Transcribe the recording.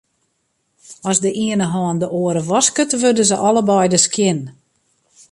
As de iene hân de oar wasket, wurde se allebeide skjin.